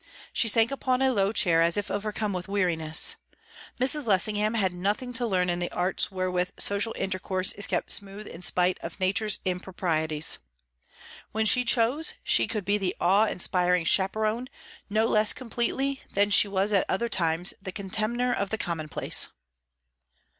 She sank upon a low chair as if overcome with weariness. Mrs. Lessingham had nothing to learn in the arts wherewith social intercourse is kept smooth in spite of nature's improprieties. When she chose, she could be the awe inspiring chaperon, no less completely than she was at other times the contemner of the commonplace.